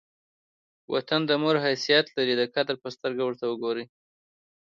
وطن د مور حیثیت لري؛ د قدر په سترګه ور ته ګورئ!